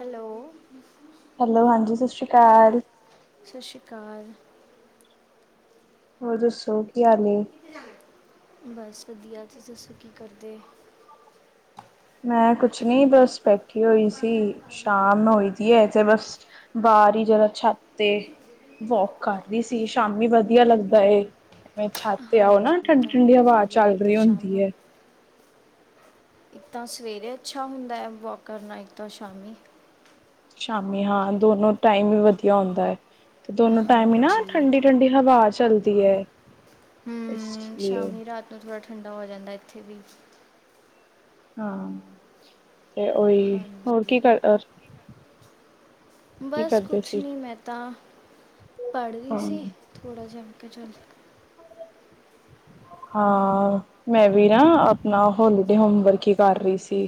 Hello. Hello ਹਾਂਜੀ ਸਸ ਰੀ ਕਾਲ। ਸਸ਼ੀ ਕਾਰ। ਹੋਰ ਦੱਸੋ, ਕੀ ਹਾਲ ਨੇ। ਬਸ ਵਦੀਆ, ਤੁਸੀ ਦੱਸੋ ਕੀ ਕਰਦੇ। ਮੈਂ ਕੁਛ ਨੀ ਬਸ ਬੈਠੀ ਹੋਈ ਸੀ, ਸ਼ਾਮ ਹੋਈ ਦੀ ਐ ਤੇ ਬਸ ਬਾਰ ਈ ਜਰਾ ਛੱਤ ਤੇ। ਵੌਕ ਕਰ ਰੀ ਸੀ ਸ਼ਾਮੀ ਵਦੀਆ ਲੱਗਦਾ ਏ। ਜਿਵੇਂ ਛੱਤ ਆਓ ਹਾਂਜੀ ਨਾ ਉਹ ਤਾਂ ਹੈ ਠੰਡੀ-ਠੰਡੀ ਹਵਾ ਵਧੀਆ ਚੱਲ ਲੱਗਦਾ ਰਈ ਸ਼ਾਮ ਹੁੰਦੀ ਨੂੰ ਐ। ਇੱਕ ਤਾਂ ਸਵੇਰੇ ਅੱਛਾ ਹੁੰਦਾ ਐ ਵੌਕ ਕਰਨਾ ਇੱਕ ਤਾਂ ਸ਼ਾਮੀ। ਸ਼ਾਮੀ ਹਾਂ ਦੋਨੋ ਟਾਈਮ ਵੀ ਵਦੀਆ ਹੁੰਦਾ ਐ। ਤੇ ਦੋਨੋ ਟਾਈਮ ਈ ਨਾ ਹਾਂਜੀ ਠੰਡੀ-ਠੰਡੀ ਹਵਾ ਚੱਲਦੀ ਐ। ਹੂੰ ਸ਼ਾਮੀ ਰਾਤ ਨੂੰ ਥੋੜਾ ਠੰਡਾ ਹੋ ਜਾਂਦਾ ਏਥੇ ਵੀ। ਹਾਂ ਤੇ ਓਈ ਹੋਰ ਹਾਂਜੀ ਕੀ ਕਰਦਾ ਬਸ ਕਰਦੇ ਕੁੱਛ ਸੀ ਨੀ ਮੈਂ ਤਾਂ ਪੜ ਰੀ ਸੀ ਹਾਂ ਥੋੜਾ ਜਾ ਮੈਂ ਕਿਆ ਚੱਲ ਹਾਂ ਮੈਂ ਵੀ ਨਾ ਆਪਨਾ ਹੋਲੀਡੇ ਹੋਮਵਰਕ ਈ ਕਰ ਰੀ ਸੀ।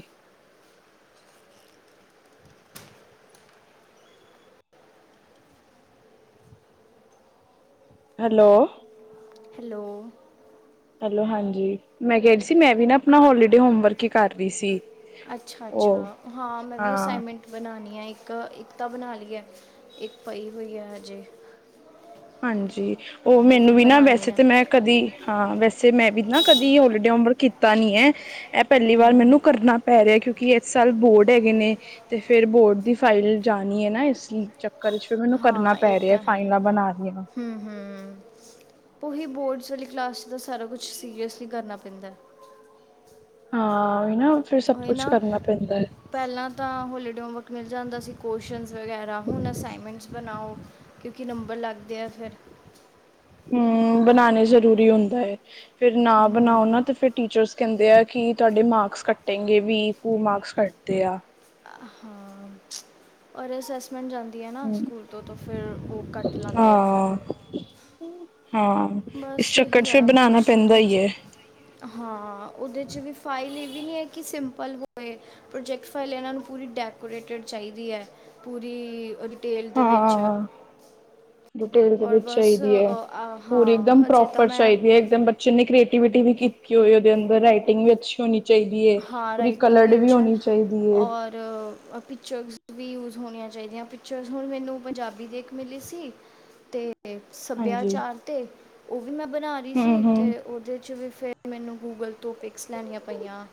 ਹੈਲੋ। ਹੈਲੋ। ਹੈਲੋ ਹਾਂਜੀ ਮੈਂ ਕੈ ਰੀ ਸੀ ਮੈਂ ਵੀ ਨਾ ਆਪਨਾ ਹੋਲੀਡੇ ਹੋਮ ਵਰਕ ਈ ਕਰ ਰੀ ਸੀ। ਅੱਛਾ-ਅੱਛਾ ਉਹ ਹਾਂ ਮੈਂ ਵੀ ਹਾਂ ਅਸਾਈਨਮੈਂਟ ਬਨਾਨੀ ਆ ਇੱਕ, ਇੱਕ ਤਾਂ ਬਨਾ ਲਈ ਐ ਇੱਕ ਪਈ ਹੋਈ ਆ ਹਜੇ। ਹਾਂਜੀ, ਓ ਮੈਨੂੰ ਵੀ ਨਾ ਵੈਸੇ ਬਣਾਉਣੀ ਹੈ ਤਾਂ ਮੈਂ ਕਦੀ ਹਾਂ ਵੈਸੇ ਮੈਂ ਵੀ ਨਾ ਕਦੀ ਹੋਲੀਡੇ ਹੋਮਵਰਕ ਕੀਤਾ ਨੀ ਐ। ਐ ਪੈਲੀ ਵਾਰ ਹੂੰ ਮੈਨੂੰ ਕਰਨਾ ਪੈ ਰਿਆ ਕਿਓਂਕਿ ਏਸ ਸਾਲ ਬੋਰਡ ਹੈਗੇ ਨੇ ਤੇ ਫੇਰ ਬੋਰਡ ਦੀ ਫਾਈਲ ਜਾਨੀ ਐ ਨਾ ਏਸ ਚੱ ਚੱਕਰ ਚ ਵੀ ਮੈਨੂੰ ਕਰਨਾ ਪੈ ਰਿਆ ਫਾਈਲਾਂ ਬਨਾ ਰ ਹੂੰ-ਹੂੰ। ਓਹੀ ਬੋਰਡਸ ਆਲੀ ਕਲਾਸ ਚ ਤਾਂ ਸਾਰਾ ਕੁਛ ਸੀਰੀਅਸਲੀ ਕਰਨਾ ਪੈਂਦਾ। ਹਾਂ ਓਈ ਨਾ ਫਿਰ ਸਬ ਕੁਛ ਕਰਨਾ ਪੈਂਦਾ ਐ। ਪੈਲਾਂ ਤਾਂ ਹੋਲੀਡੇ ਹੋਮਵਰਕ ਮਿਲ ਜਾਂਦਾ ਸੀ। ਕੁਅਸ਼ਨਜ ਵਗੈਰਾ ਹੁਨ ਅਸਾਈਨਮੈਂਟਸ ਬਨਾਓ, ਕਿਓਂਕਿ ਨੰਬਰ ਲੱਗਦੇ ਆ ਫੇਰ। ਹੂੰ, ਬਨਾਨੇ ਜ਼ਰੂਰੀ ਹੁੰਦਾ ਏ। ਫਿਰ ਨਾ ਬਨਾਓ ਹੂੰ ਨਾ ਤੇ ਫਿਰ ਟੀਚਰਸ ਕੈਂਦੇ ਆ ਕੇ ਤੁਆਡੇ ਮਾਰਕਸ ਕੱਟੇਗੇਂ ਵੀ ਓ ਮਾਰਕਸ ਕੱਟਦੇ ਆ। ਆ ਹਾਂ। ਔਰ ਅਸੈਸਮੈਂਟ ਜਾਂਦੀ ਐ ਨਾ ਸਕੂਲ ਤੋਂ ਤਾਂ ਫਿਰ ਓ ਕੱਟ ਲੈਂਦੇ ਆ ਫਿਰ। ਹਾਂ ਹਾਂ ਇਸ ਬਸ ਚੱਕਰ ਏਹੀ ਚ ਫਿਰ ਆ ਹੁਨ ਬਣਾਣਾ ਪੈਂਦਾ ਛੁੱਟੀਆਂ ਚ ਹੀ ਹੈ ਹਾਂ ਓਦੇ ਚ ਵੀ ਫਾਈਲ ਏ ਵੀ ਨਈਂ ਐ ਕੇ ਸਿੰਪਲ ਹੋਵੇ ਪ੍ਰੋਜੈਕਟ ਫਾਈਲ ਏਨਾਂ ਨੂੰ ਪੂਰੀ ਡੈਕੋਰੇਟਿਡ ਚਾਈਦੀ ਐ। ਪੂਰੀ ਓਦੀ ਤੇਲ ਦੇ ਵਿੱਚ ਹਾਂ ਡਿਟੇਲ ਦੇ ਔਰ ਵਿੱਚ ਬਸ ਚਾਹੀਦੀ ਹੈ ਅ ਪੂਰੀ ਹਾਂ। ਇੱਕਦਮ ਹਜੇ ਤਾਂ ਪ੍ਰੋਪਰ ਮੈਂ ਚਾਈਦੀ ਐ ਏਕਦਮ ਬੱਚੇ ਨੇ ਕ੍ਰੀਏਟੀਵੀਟੀ ਵੀ ਕੀ, ਕੀ ਹੋਏ ਓਦੇ ਅੰਦਰ ਰਾਈਟਿੰਗ ਵੀ ਅੱਛੀ ਹੋਨੀ ਚਾਈਦੀ ਏ, ਪੂਰੀ ਕਲਰਡ ਵੀ ਹੋਨੀ ਚਾਈਦੀ ਏ। ਰ ਅ ਪਿਚਗਸ ਵੀ ਯੂਜ਼ ਹੋਨੀਆਂ ਚਾਈਦੀਆਂ। ਪਿਚਰਸ ਹੁਨ ਮੈਨੂੰ ਪੰਜਾਬੀ ਦੇ ਇੱਕ ਮਿਲੀ ਸੀ ਤੇ ਹਾਂਜੀ ਸੱਭਿਆਚਾਰ ਤੇ ਓ ਵੀ ਮੈਂ ਬਨਾ ਰੀ ਹਮ ਸੀ ਤੇ ਹਮ ਓਦੇ 'ਚੋ ਵੀ ਫੇਰ ਮੈਨੂੰ ਗੂਗਲ ਤੋਂ ਪਿਕਸ ਲੈਨੀਆਂ ਪਈਆਂ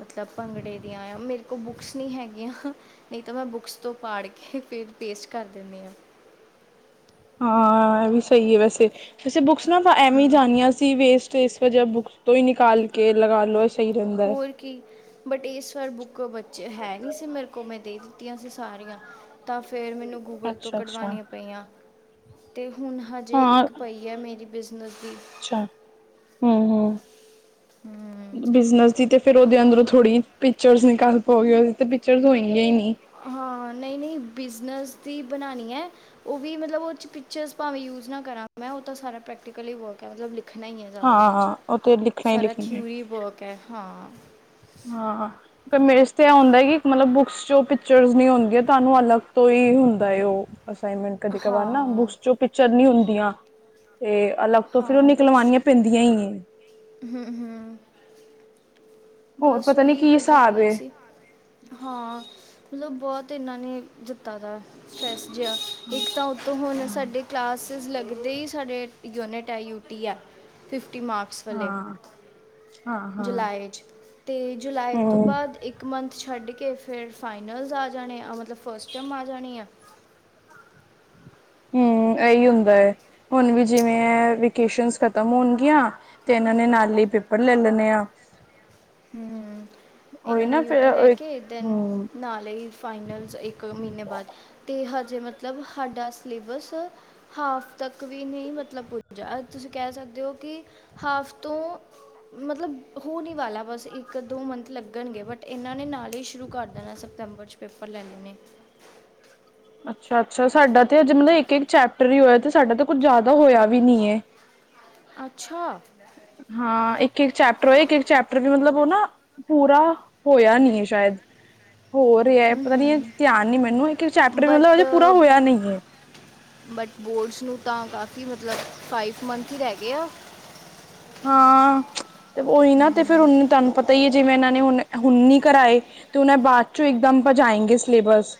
ਮਤਲਬ ਭੰਗੜੇ ਦੀਆਂ ਏਯਾਂ। ਮੇਰੇ ਕੋਲ ਬੁਕਸ ਨੀ ਹੈਗੀਆਂ। ਨਈ ਤਾਂ ਮੈਂ ਬੁਕਸ ਤੋਂ ਪਾੜ ਕੇ ਫੇਰ ਪੇਸਟ ਕਰ ਦਿੰਨੀ ਆਂ। ਹਾਂ, ਏ ਵੀ ਸਈ ਏ ਵੈਸੇ। ਵੈਸੇ ਬੁਕਸ ਨਾ ਵਾ ਐਵੇਂ ਈ ਹੂੰ ਜਾਨੀਆਂ ਸੀ ਵੇਸਟ ਤੇ ਏਸ ਵਜ੍ਹਾ ਬੁਕਸ ਤੋਂ ਹੀ ਨਿਕਾਲ ਕੇ ਲਗਾ ਲੋ ਐ ਸਈ ਰੇਂਦਾ ਐ। ਕਿ ਬਟ ਏਸ ਵਾਰ ਬੁੱਕ ਬੱਚੇ ਹੈ ਨੀ ਸੀ ਮੇਰੇ ਕੋਲ ਮੈਂ ਦੇ ਦਿੱਤੀਆਂ ਸੀ ਸਾਰੀਆਂ। ਤਾਂ ਫੇਰ ਮੇਨੂੰ ਗੂਗਲ ਤੋਂ ਅੱਛਾ ਅੱਛਾ ਕਢਵਾਨੀਆਂ ਪਈਆਂ ਤੇ ਹੂਨ ਹਜੇ ਹਾਂ ਇੱਕ ਪਈ ਐ ਮੇਰੀ ਬਿਜਨਸ ਦੀ ਅੱਛਾ, ਹੂ-ਹੂ ਹੂੰ ਬਿਜ਼ਨਸ ਦੀ ਤੇ ਫੇਰ ਓਦੇ ਅੰਦਰੋਂ ਥੋੜੀ ਪਿੱਚਰਸ ਨਿਕਲ ਪਾਓਗੇ ਓਦੇ ਤੇ ਪਿੱਚਰਸ ਹੋਏਂਗੀਆਂ ਈ ਨੀ। ਹਾਂ, ਨਈ-ਨਈ ਬਿਜ਼ਨਸ ਦੀ ਬਣਾਣੀ ਐ ਓ ਵੀ ਮਤਲਬ ਓਰ 'ਚ ਪਿੱਚਰਸ ਭਾਵੇਂ ਯੂਜ਼ ਨਾ ਕਰਾਂ ਮੈਂ, ਓ ਤਾਂ ਸਾਰਾ ਪ੍ਰੈਕਟੀਕਲ ਈ ਵਰਕ ਐ ਮਤਲਬ ਲਿ ਖਨਾ ਈ ਐ ਜ਼ਿਆਦਾ ਓਦੇ 'ਚ। ਹਾਂ ਉਹ ਤੇ ਲਿਖਣਾ ਹੀ ਸਾਰਾ ਲਿਖਣਾ ਹੈ। ਥਿਊਰੀ ਵਰਕ ਐ, ਹਾਂ। ਹਾਂ। ਕਮੇਜ਼ ਤੇ ਐ ਹੁੰਦਾ ਈ ਏ ਕਿ ਮਤਲਬ ਬੁਕਸ 'ਚੋਂ ਪਿੱਚਰਸ ਨੀ ਹੋਨਗੀਆਂ, ਤੁਆਨੂੰ ਅਲੱਗ ਤੋਂ ਈ ਹੁੰਦਾ ਏ ਓ। ਅਸਾਈਨਮੈਂਟ ਕਦੀ ਕਵਾਰ ਨਾ ਹਾਂ ਬੁਕਸ 'ਚੋਂ ਪਿੱਚਰ ਨੀ ਹੁੰਦੀਆਂ। ਤੇ ਅਲੱਗ ਤੋਂ ਫਿਰ ਓ ਨਿਕਲਵਾਨੀਆਂ ਪੇਂਦੀਆਂ ਈ ਏ। ਹੂ-ਹੂ। ਹੋਰ ਬਸ ਪਤਾ ਨੀ ਉਹੀ ਕੀ ਹਿਸਾਬ ਕਢਵਾਈਆਂ ਏ। ਸੀ। ਹਾਂ, ਮਤਲਬ ਬੋਤ ਏਨਾਂ ਨੇ ਦਿੱਤਾ ਤਾ ਸਟਰੈਸ ਜਿਆ। ਇੱਕ ਤਾਂ, ਉੱਤੋਂ ਹੁਨ ਸਾਡੇ ਕਲਾਸਿਸ ਲੱਗਦੇ ਈ ਸਾਡੇ ਯੂਨਿਟ ਐ, ਯੂ ਟੀ ਐ, ਫਿਫਟੀ ਮਾਕ ਸ ਵਲੇ ਹਾਂ, ਹਾਂ-ਹਾਂ। ਜੁਲਾਈ 'ਚ ਤੇ ਜੁਲਾਈ ਤੇ ਹੂੰ-ਹੂੰ ਬਾਦ ਇੱ ਕ ਮੰਥ ਛੱਡ ਕੇ ਫੇਰ ਫਾਈਨਲਸ ਆ ਜਾਨੇ ਆ। ਅ ਮਤਲਬ ਫਸਟ ਟਮ ਆ ਜਾਣੀ ਆ। ਹੂੰ, ਐਈ ਹੁੰਦੈ। ਹੁਨ ਵੀ ਜਿਵੇਂ ਐ ਵਿਕੇਸ਼ਨਸ ਖਤਮ ਹੋਨਗੀਆਂ ਤੇ ਏਨਾਂ ਨੇ ਨਾਲ ਈ ਪੇਪਰ ਲੱਲ ਲਨੇ ਆ। ਹੂੰ, ਉਹੀ ਏਨਾਂ ਨੇ ਨਾ ਯੂ ਟੀ ਫਿਰ ਲੈ ਕੇ ਦੈਨੰ ਹੂੰ ਨਾਲ ਨਈ ਫਾਈਨਲਸ ਏੱਕ ਮੀਂਨ੍ਹੇ ਬਾਦ ਤੇ ਹਜੇ ਮਤਲਬ ਹਾਡਾ ਸਲੇਬਸ ਹਾਫ ਤੱਕ ਵੀ ਨੀ ਮਤਲਬ ਪੁੱਜਾ। ਅੱਜ ਤੁਸੀ ਕੈ ਸਕਦੇ ਓ ਕਿ ਹਾਫ ਤੋਂ ਮਤਲਬ ਹੋਨ ਈ ਵਾਲਾ ਬਸ ਇੱਕ-ਦੋ ਮੰਥ ਲੱਗਨਗੇ ਬਟ ਏਨਾਂ ਨੇ ਨਾਲ ਈ ਸ਼ੁਰੂ ਕਰ ਦੇਨਾ ਸੈਪਤੰਬਰ 'ਚ ਪੇਪਰ ਲੈਨੇ ਨੇ। ਅੱਛਾ-ਅੱਛਾ ਸਾਡਾ ਤੇ ਅਜੇ ਮਤਲਬ ਏੱਕ-ਏੱਕ ਚੈਪਟਰ ਈ ਹੋਇਆ ਤੇ ਸਾਡਾ ਤਾਂ ਕੁੱਝ ਜਾਦਾ ਹੋਇਆ ਵੀ ਨੀ ਐ। ਅੱਛਾ! ਹਾਂ ਏੱਕ-ਏੱਕ ਚੈਪਟਰ ਓ, ਏੱਕ-ਏੱਕ ਚੈਪਟਰ ਵੀ ਮਤਲਬ ਵੋ ਨਾ ਪੂਰਾ ਹੋਇਆ ਨੀ ਐ ਸ਼ਾਯਦ ਹੋ ਰਿਐ ਹੂੰ ਪਤਾ ਨੀ, ਧਿਆਨ ਨੀ ਮੈਨੂੰ ਇੱਕ-ਇੱਕ ਚੈਪਟਰ ਵੀ ਮਤਲਬ ਬਟ ਅਜੇ ਪੂਰਾ ਹੋਇਆ ਨੀ ਏ। ਬਟ ਬੋਰਡਸ ਨੂੰ ਤਾਂ ਕਾਫੀ ਮਤਲਬ ਫਾਈਫ ਮੰਥ ਈ ਰੈ ਗੇ ਆ। ਹਾਂ, ਤੇ ਓਈ ਨਾ ਤੇ ਫਿਰ ਹਮ, ਉਨੰ ਤੁਆਨੂੰ ਪਤਾ ਈ ਏ ਜਿਵੇਂ ਏਨਾਂ ਨੇ ਹੁਨ ਅ ਹੁਨ ਨੀ ਕਰਾਏ ਤੋ ਓਨਾਂ ਨੇ ਬਾਦ 'ਚੋਂ ਇਕਦਮ ਭਜਾਏਂਗੇ ਸਲੇਬਸ।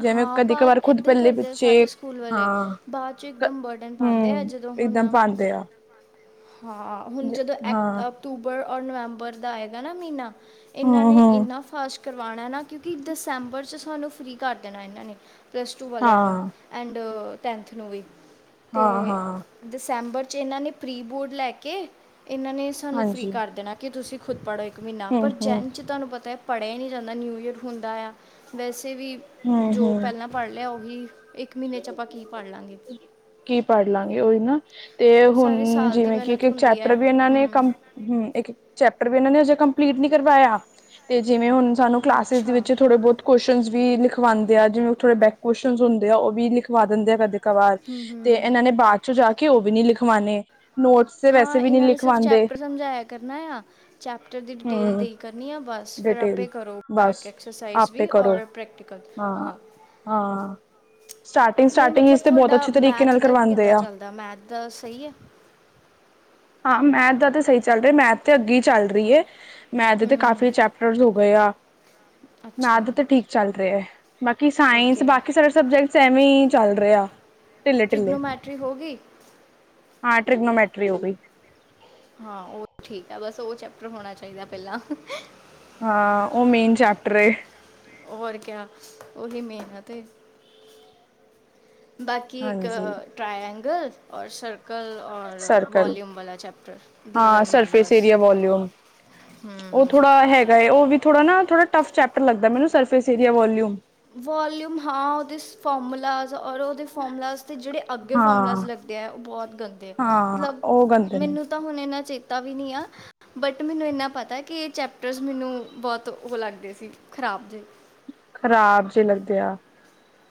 ਜਿਵੇਂ, ਹਾਂ ਕਦੀ ਬਾਅਦ -ਕਵਾਰ ਖੁਦ ਇੱਦਾਂ ਹੀ ਪਿਲੇ ਕਰਦੇ ਆ ਪਿੱਛੇ ਸਾਰੇ ਸਕੂਲ ਵਾਲੇ ਹਾਂ। ਬਾਅਦ 'ਚ ਇੱਕਦਮ ਬਰਡਨ ਪਾਉਂਦੇ ਆ ਹੂੰ, ਜਦੋਂ ਇੱਕਦਮ ਹੁਣ ਪਾਉਂਦੇ ਆ ਹਾਂ ਹੁਣ, ਜਦੋਂ ਐਕ ਹਾਂ ਅਕਤੂਬਰ, ਔਰ ਨਵੰਬਰ, ਦਾ ਹੈਗਾ ਨਾ ਮਹੀਨਾ ਇਹਨਾਂ ਹਮ ਨੇ ਹਮ ਇੰਨਾ ਫਾਸਟ ਕਰਵਾਉਣਾ ਨਾ, ਕਿਉਂਕਿ ਦਸੰਬਰ 'ਚ ਸਾਨੂੰ ਫ੍ਰਰੀ ਕਰ ਦੇਣਾ ਇਹਨਾਂ ਨੇ, ਪਲੱਸ ਟੂ ਵਾਲਿਆਂ ਨੂੰ ਹਾਂ ਐਂਡ ਤੈਥ ਨੂੰ ਵੀ ਹਾਂ ਅਤੇ ਹਾਂ ਦਸੈਂਬਰ 'ਚ, ਇਹਨਾਂ ਨੇ ਪ੍ਰੀ ਬੋਰਡ ਲੈ ਕੇ, ਇਹਨਾਂ ਨੇ ਸਾਨੂੰ ਫਰੀ, ਹਾਂਜੀ ਕਰ ਦੇਣਾ ਕਿ ਤੁਸੀਂ, ਖੁਦ ਪੜ੍ਹੋ ਇੱਕ ਮਹੀਨਾ ਪਰ, ਹਮ ਹਮ ਚੈਨ 'ਚ ਤੁਹਾਨੂੰ ਪਤਾ ਪੜ੍ਹਿਆ ਹੀ, ਨਹੀਂ ਜਾਂਦਾ। ਨਿਊ ਈਅਰ ਹੁੰਦਾ ਆ, ਵੈਸੇ! ਵੀ ਹਮ ਜੋ ਹਮ ਪਹਿਲਾਂ ਪੜ੍ਹ ਲਿਆ ਉਹੀ ਇੱਕ ਮਹੀਨੇ 'ਚ, ਆਪਾਂ ਕੀ ਪੜ੍ਹ ਲਵਾਂਗੇ ਕੀ ਪੜ੍ਹ ਲਾਂਗੇ, ਉਹੀ ਨਾ ਤੇ ਹੁਣ ਸਾਰੇ ਸਾਲ ਦੀ ਜਿਵੇਂ ਕਿ, ਮਿਹਨਤ ਇੱਕ ਹੁੰਦੀ ਚੈਪਟਰ ਹੈ ਵੀ ਇਹਨਾਂ ਨੇ ਹੂੰ ਕੰ ਹਮ, ਇੱਕ ਚੈਪਟਰ ਵੀ ਇਹਨਾਂ ਨੇ, ਹਜੇ ਕੰਪਲੀਟ ਨਈ ਕਰਵਾਇਆ, ਤੇ ਜਿਵੇਂ ਹੁਣ ਸਾਨੂੰ ਕਲਾਸਿਸ, ਅੱਛਾ ਵਿੱਚ ਥੋੜੇ- ਬਹੁਤ ਕੁਸ਼ਚਨ ਵੀ ਲਿਖਾਉਂਦੇ ਆ, ਜਿਵੇਂ ਉਹ ਥੋੜ੍ਹੇ ਬੈਕ ਕੁਸ਼ਚਸ਼ਨਸ ਹੁੰਦੇ ਆ ਵੀ, ਲਿਖਵਾ ਦਿੰਦੇ ਆ ਕਦੇ- ਕਬਾਰ ਹੂੰ ਤੇ ਹੂੰ ਇਹਨਾਂ ਨੇ, ਬਾਅਦ ਚ ਜਾ ਕੇ ਉਹ ਵੀ, ਨਈ ਲਿਖਵਾਉਣੇ ਨੋਟਸ ਤੇ ਹਾਂ, ਵੈਸੇ ਵੀ ਨਹੀਂ ਇਹਨਾਂ ਨੇ ਸਿਰਫ਼ ਲਿਖਵਾਉਂਦੇ ਚੈਪਟਰ ਸਮਝਾਇਆ ਕਰਨਾ ਆ, ਚੈਪਟਰ ਦੀ ਡਿਟੇਲ ਹੂੰ ਦੇ ਕਰਨੀ ਹਾਂ ਬਸ, ਫਿਰ ਆਪੇ ਡਿਟੇਲ ਕਰੋ ਬਸ ਬੈਕ ਐਕਸਰਸਾਈਜ਼ ਆਪੇ ਵੀ, ਕਰੋ ਔਰ ਪ੍ਰੈਕਟੀਕਲ ਹਾਂ ਹਾਂ। ਸਟਾਰਟਿੰਗ- ਨਹੀਂ ਸਟਾਰਟਿੰਗ ਮਤਲਬ ਵਿੱਚ ਤੇ ਬਹੁਤ ਤੁਹਾਡਾ ਅੱਛੇ ਤਰੀਕੇ ਮੈਥ ਨਾਲ ਦਾ ਕਰਵਾਦੇ ਕਿੱਦਾਂ ਆ ਚੱਲਦਾ ਮੈਥ ਦਾ ਸਹੀ ਹੈ ਹਾਂ, ਮੈਥ ਦਾ ਤਾਂ ਸਹੀ ਚੱਲ ਰਿਹਾ, ਮੈਥ ਤੇ ਅੱਗੇ ਹੀ ਚੱਲ ਰਹੀ ਏ ਮੈਥ ਦੇ ਹੂੰ ਕਾਫੀ ਚੈਪਟਰ ਹੋ ਗਏ ਆ, ਅੱਛਾ ਮੈਥ ਤੇ ਠੀਕ ਚੱਲ ਰਿਹਾ ਏ ਬਾਕੀ ਸਾਇੰਸ, ਓਕੇ ਬਾਕੀ ਸਾਰੇ ਸਬਜੈਕਟ ਵੀ ਚੱਲ ਰਿਹਾ, ਢਿੱਲੇ- ਢਿੱਲੇ ਟ੍ਰਿਗਨੋਮੈਟਰੀ ਹੋ ਗਈ ਹਾਂ ਟ੍ਰਿਗਨੋਮੈਟਰੀ, ਹੋ ਗਈ ਹਾਂ, ਉਹ ਠੀਕ ਆ, ਬਸ ਉਹ ਚੈਪਟਰ ਹੋਣਾ ਚਾਹੀਦਾ ਪਹਿਲਾਂ ਹਾਂ, ਉਹ ਮੇਨ ਚੈਪਟਰ ਏ ਹੋਰ ਕਿਆ, ਉਹੀ ਮੇਨ ਤੇ ਬਾਕੀ, ਇੱਕ ਹਾਂਜੀ ਟਰਾਇਐਂਗਲ, ਔਰ ਸਰਕਲ ਔਰ, ਸਰਕਲ ਵਾਲੀਅਊਮ ਵਾਲਾ ਚੈਪਟਰ, ਦੀਜ਼ ਹਾਂ ਆਰ ਮੇਨ ਸਰਫੇਸ ਬਸ ਏਰੀਆ ਵੋਲਿਊਮ ਉਹ ਥੋੜਾ ਹੈਗਾ ਏ, ਉਹ ਵੀ ਥੋੜਾ ਨਾ ਥੋੜਾ ਟਫ ਚੈਪਟਰ ਲੱਗਦਾ ਮੈਨੂੰ, ਸਰਫੇਸ ਏਰੀਆ ਵਾਲੀਆਂ- ਊਮ ਵਾਲਿਮ ਹਾਂ ਉਹਦੇ ਫਾਰਮੂਲਾ, ਔਰ ਉਹਦੇ ਫਾਰਮੂਲਾ ਦੇ ਜਿਹੜੇ ਅੱਗੇ ਹਾਂ ਫੋਮੂਲਾਜ਼ ਲੱਗਦੇ ਆ, ਉਹ ਬਹੁਤ ਗੰਦੇ ਹਾਂ ਮਤਲਬ ਉਹ ਗੰਦੇ ਨੇ ਮੈਨੂੰ ਤਾਂ ਹੁਣ, ਇੰਨਾ ਚੇਤਾ ਵੀ ਨਹੀਂ ਆ ਬਟ ਮੈਨੂੰ, ਇੰਨਾ ਪਤਾ ਕਿ ਇਹ ਚੈਪਟਰਸ, ਮੈਨੂੰ ਬਹੁਤ ਉਹ ਲੱਗਦੇ ਸੀ। ਖ਼ਰਾਬ ਜੇਹੇ ਖ਼ਰਾਬ ਜਿਹੇ ਲੱਗਦੇ ਆ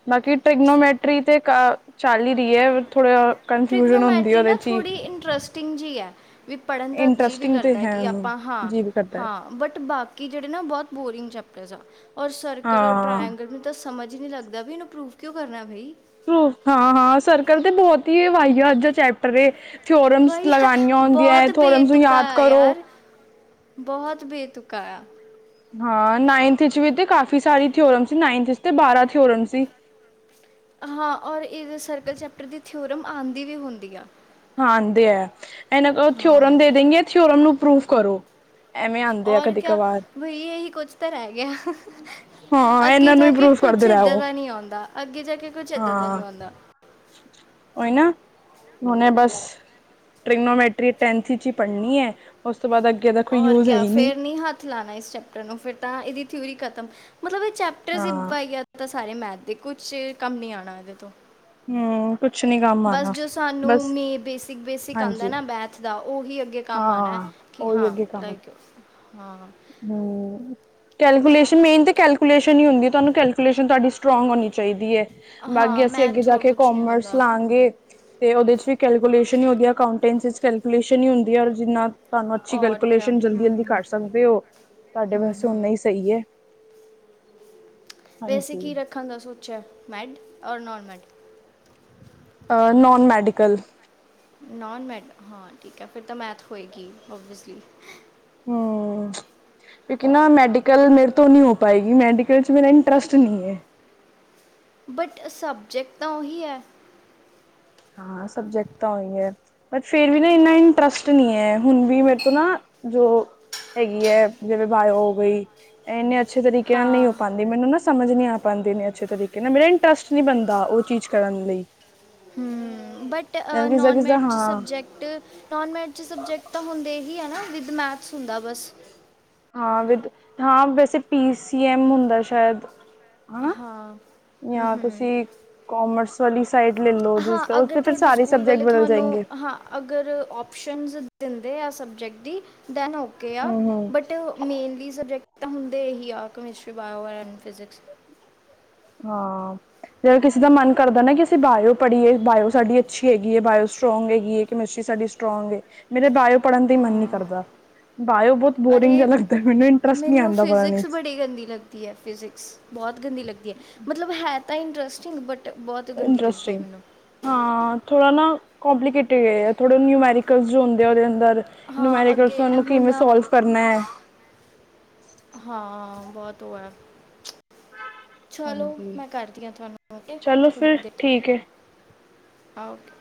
ਬਾਕੀ ਟੈਗਨੋਮੈਟਰੀ, ਤੇ ਕ ਚਲ, ਈ ਰਹੀ ਹੈ ਥੋੜ੍ਹਾ ਟ੍ਰਿਗਨੋਮੈਟਰੀ ਨਾ, ਥੋੜੀ ਇੰਟਰਸਟਿੰਗ ਜਿਹੀ ਹੈ ਵੀ ਪੜ੍ਹਨ ਦਾ, ਜੀਅ ਵੀ ਇੰਟਰਸਟਿੰਗ ਤੇ ਕਰਦਾ ਹੈ ਕਿ, ਆਪਾਂ ਹਾਂ। ਜੀ ਵੀ ਕਰਦਾ ਹੈ ਹਾਂ ਬਟ ਬਾਕੀ, ਜਿਹੜੇ ਨਾ ਬਹੁਤ ਬੋਰਿੰਗ ਚੈਪਟਰਸ ਆ, ਔਰ ਸਰਕਲ, ਔਰ ਹਾਂ ਟ੍ਰਇਂਗਲ ਤਾਂ ਸਮਝ ਹੀ ਨਹੀਂ ਲੱਗਦਾ, ਵੀ ਇਹਨੂੰ ਪ੍ਰੂਵ ਕਿਉਂ ਕਰਨਾ ਬਈ ਪਰੂਫ ਹਾਂ -ਹਾਂ ਸਰਕਲ ਤੇ ਬਹੁਤ ਹੀ ਵਾਈਜਾਜ ਦਾ ਚੈਪਟਰ ਏ ਥੁੱਰਮਸ ਵਈ ਲਗਉਣੀਆਂ ਹੁੰਦੀਆਂ, ਬਹੁਤ ਥੁਰੋਮਸ ਨੂੰ ਬੇਤੁਕਾ ਯਾਦ ਆ ਕਰੋ ਯਾਰ ਬਹੁਤ ਬੇ ਤੁਕਾ, ਇਆ ਹਾਂ ਨਾਈਨਥ, ' ਵੀ ਤੇ ਕਾਫੀ ਸਾਰੀ ਥਿਓਰਮ ਸੀ। ਨਾਇਨਥ ਚ ਤੇ ਬਾਰਾਂ, ਥਿਓਰਮ ਸੀ। ਹਾਂ ਔਰ, ਇਹ ਸਰਕਲ ਚੈਪਟਰ ਦੀ, ਥਿਊਰਮ ਆਦੀ ਵੀ ਹੁੰਦੀ ਆ ਹਾਂ ਦੇ ਹੈ ਇਹਨਾਂ ਥਿਓਰਮ ਹਾਂ ਦੇ -ਦੇ ਗੇ ਥਿਓਰਮ ਨੂੰ ਪ੍ਰੂਵ ਕਰੋ ਐਵੇਂ ਆਂਦੇ ਆ ਔਰ ਕਦੀ ਕਿਆ ਕਵਾਰ ਬਈ ਇਹੀ ਕੁਛ ਤਾਂ ਰਹਿ ਗਿਆ। ਹਾਂ ਅੱਗੇ ਇਹਨਾਂ ਨੂੰ ਜਾ ਹੀ ਕੇ ਪ੍ਰੂਫ ਕੁਛ ਕਰਦੇ ਰਹਿ ਇੱਦਾਂ ਉਹ ਦਾ ਨਈ ਆਉਂਦਾ, ਅੱਗੇ ਜਾ ਕੇ ਕੁਛ ਦਾ ਨੀ ਆਉਂਦਾ ਓ ਈ ਨਾ ਹੁੰਨੇ ਬਸ ਟ੍ਰਨੋ ਮ ਟਰਿਪ ਐਨ ਚੀਚੀ ਚ ਹੀ ਪੜ੍ਹਨੀ ਹੈ ਉਸ ਤੋਂ ਬਾਅਦ ਦਾ ਕੋਈ ਔਰ ਯੂਜ ਹੈ ਕਿਆ ਹੀ ਨਹੀਂ ਫਿਰ ਨੀ ਹੱਥ ਚਲਾਣੇ ਇਸ ਚੈਪਟਰ ਨੂੰ, ਫਿਰ ਤਾਂ ਇਹਦੀ ਥਿਊਰੀ ਖਤਮ ਮਤਲਬ ਇਹ ਚੈਪਟਰ ਈ ਹਾਂ ਬਾਈਯਾਤ ਯਾਤ ਸਾਰੇ ਮੈਥ ਦੇ ਕੁਛ ਚ ਕੰਮ ਨੀ ਆਉਣਾ ਇਹਦੇ ਤੋਂ ਹੁ ਕੁੱਛ ਨੀ ਕੰਮ ਬਸ ਆਉਣਾ ਜੋ ਸਾਨੂੰ ਬਸ ਮ ਬੇਸਿਕ ਬੇਸਿਕ ਆਉਂਦਾ ਹਾਂਜੀ ਨਾ ਮੈਥ ਦਾ ਉਹੀ ਅੱਗੇ ਕੰਮ ਆਣਾ। ਹਾਂ ਕਿ ਹਾਂ ਲਾਈਕ, ਹਾਂ ਹੂੰ। ਕੈਲਕੂਲੇਸ਼ਨ ਮੇਨ ਤਾਂ ਕੈਲਕੂਲੇਸ਼ਨ ਹੁੰਦੀ ਐ, ਤੁਹਾਨੂੰ ਕੈਕੂਲੇਸ਼ਨ ਤੁਹਾਡੀ ਸਟਰੋਂਗ ਹੋਣੀ ਚਾਹੀਦੀ ਆ। ਹਾਂ ਬਾਕੀ ਅਸੀਂ ਅੱਗੇ ਮੈਥ ਜਾ ਹੋਰ ਕੇ ਕੁਝ ਨਹੀਂ ਕੋਮਰਸ ਹੁੰਦਾ ਹਮ, ਲਾਂਗੇ। ਤੇ ਓਦੇ ਚ ਵੀ ਕੈਲਕੂਲੇਸ਼ਨ ਈ ਹੁੰਦੀ ਆ। ਅਕਾਂਉਟੈਂਸੀ ਚ ਕੈਲਕੂਲੇਸ਼ਨ ਈ ਹੁੰਦੀ ਐ ਔਰ ਜਿੰਨਾ ਤੁਾਨੂੰ ਅੱਛੀ ਔਰ ਕਿਆ ਕੈਲਕੂਲੇਸ਼ਨ ਹਮ ਜਲਦੀ-ਜਲਦੀ ਹਮ ਕਾਰ ਸਕਦੇ ੳ, ਤਾਡੇ ਹਮ ਵਾਸਤੇ ਓਨਾ ਈ ਹਮ ਸਈ ਏ। ਵੈਸੇ ਕੀ ਰੱਖਣ ਦਾ ਸੋਚੇਆ ਮੈੱਡ ਔਰ ਨੋਨ ਮੈੱਡ? ਅ ਨੋਨ ਮੈਡੀਕਲ। ਨੋਨ ਮੈਡ, ਹਾਂ ਠੀਕੈ ਫਿਰ ਤਾਂ ਮੈਥ ਹੋਏਗੀ ਓਬੀਸਿਲੀ। ਹੂੰ। ਕਿਉਂਕਿ ਨਾ ਮੈਡੀਕਲ ਮੇਰੇ ਤੋਂ ਨੀਂ ਹੋ ਪਾਏਗੀ ਮੈਡੀਕਲ 'ਚ ਮੇਰਾ ਇੰਟਰਸਟ ਨੀਂ ਐ। ਬਟ ਸਬਜੈਕਟ ਤਾਂ ਓਹੀ ਐ? ਹਾਂ ਸਬਜੈਕਟ ਤਾਂ ਓਈ ਐ। ਬਟ ਫੇਰ ਵੀ ਨਾ ਏਂਨਾ ਇੰਟਰਸਟ ਨੀ ਐ ਹੁਣ ਵੀ ਮੇਰੇ ਤੋਂ ਨਾ, ਜੋ ਹੈਗੀ ਐ, ਜਿਵੇਂ ਬਾਏਓ ਹੋ ਗਈ। ਏਂਨੇ ਅੱਛੇ ਤਰੀਕੇ ਨਾ ਨਈ ਹਾਂ ਹੋ ਪਾਂਦੀ, ਮੇਨੂੰ ਨਾ ਸਮਝ ਨਈ ਆ ਪਾਂਦੀ ਇੰਨੇ ਅੱਛੇ ਤਰੀਕੇ ਨਾਲ ਮੇਰਾ ਇੰਟਰਸਟ ਨੀ ਬਨਦਾ ਓ ਚੀਜ ਕਰਨ ਲਈ। ਹੂੰ, ਬਟ ਅ ਜਿਵੇਂ ਕਿਸਦਾ ਨੋਨ ਕਿਸਦਾ ਮੈਡ 'ਚ ਹਾਂ ਸਬਜੈਕ ਟ ਨੋਨ ਮੈਡ 'ਚ ਸਬਜੈਕਟ ਤਾਂ ਹੁੰਦੇ ਹੀ ਐ ਨਾ ਵਿਦ ਮੈਥਸ ਹੁੰਦਾ ਬਸ। ਹਾਂ ਵਿਦ, ਹਾਂ ਵੈਸੇ ਪੀ ਸੀ ਐਮ ਹੁੰਦਾ ਸ਼ਾਏਦ ਹਾਂ? ਹਮ ਯਾਂ ਹਮ ਤੁਸੀਂ ਕੋਮਰਸ ਵਾਲੀ ਸਾਈਡ ਲਲੋ ਜਿਸ ਹਾਂ ਤ, ਓਤੇ ਅਗਰ ਫੇਰ ਤੁਹਾਡੇ ਸਾਰੇ ਸਕੂਲ ਸਬਜੈਕਟ ਵਾਲੇ ਬਦਲ ਤੁਹਾਨੂੰ ਜਾਏਂਗੇ। ਹਾਂ ਅਗਰ ਓਪਸ਼ਨਜ਼, ਦਿੰਦੇ ਆ ਸਬਜੈਕਟ ਦੀ, ਦੈਨ ਓਕੇ ਆ hmm hmm but mainly subject ਤਾਂ ਹੁੰਦੇ ਹੀ ਆ ਕਮਿਸਟਰੀ, ਬਾਏਓ ਐਂਡ ਫਿਜ਼ੀਕਸ। ਹਾਂ ਜਦ ਕਿਸੇ ਦਾ ਮਨ ਕਰਦਾ ਨਾ ਕਿ ਅਸੀਂ ਬਾਏਓ ਪੜ੍ਹੀਏ ਬਾਏਓ ਸਾਡੀ ਅੱਛੀ ਹੈਗੀ ਏ ਬਾਇਓ ਸਟਰੋਂਗ ਹੈਗੀ ਏ, ਕੈਮਿਸਟਰੀ ਸਾਡੀ ਸਟਰੋਂਗ ਏ, ਮੇਰੇ ਬਾਏਓ ਪੜ੍ਹਨ ਦਾ ਈ ਮਨ ਨੀ ਹਾਂ ਕਰਦਾ, ਬਾਏਓ ਬੋਤ ਬੋਰਿੰਗ ਜੇਆ ਅਰੇ ਲੱਗਦਾ ਮਿਨੂੰ ਇੰਟਰਸਟ ਨੀਂ ਮੈਨੂੰ ਆਂਦਾ ਪੜ੍ਹਨ ਇੱਚ [unintelligible] ਗੰਦੀ ਲੱਗ ਦੀ ਐ ਫਿਜ਼ਿਕਸ, ਬੋਤ ਗੰਦੀ ਲੱਗਦੀ ਐ ਮਤਲਬ ਹੈ ਤਾਂ ਇੰਟਰਸਟਿੰਗ ਬਟ ਬਹੁਤ ਗੰਦੀ ਲੱਗਦੀ ਹੈ ਇੰਟਰਸਟਿੰਗ ਮੈਨੂੰ ਹਾਂ ਥੋੜ੍ਹਾ ਨਾ, ਕੋੋਂਪਲੀਕੇਟਿਡ ਏ, ਥੋੜ੍ਹੇ ਨਿਊਮੈਰੀਕਲਜ਼ ਜੇ ਹੁੰਦੇ ਆ ਓਦੇ ਅੰਦਰ ਹਾਂ ਨਿਊਮੈਰੀਕਲਸ ਅੱਗੇ ਐ ਓਨੂੰ ਹੁਣ ਕਿਵੇਂ ਨਾ, ਸੋਲਵ ਕਰਨਾ ਐ? ਹਾਂ ਬੋਤ ੳ ਐ ਚ੍ਵਾਲੋ ਹਾਂਜੀ ਮੈਂ ਕਾਰਦੀ ਆਂ ਤੁਆਨੂੰ, ਓਕੇ ਚਲੋ ਫਿਰ ਥੋੜ੍ਹੀ ਦੇਰ ਤੱਕ, ਠੀਕ ਹੈ। ਓਕੇ।